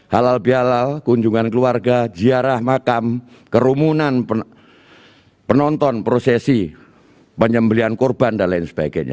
halal bialal kunjungan keluarga ziarah makam kerumunan penonton prosesi penyembelian korban dll